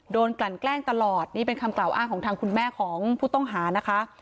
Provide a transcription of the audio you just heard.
กลั่นแกล้งตลอดนี่เป็นคำกล่าวอ้างของทางคุณแม่ของผู้ต้องหานะคะ